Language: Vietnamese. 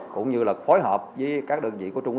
cũng như là phối hợp với các đơn vị của trung ương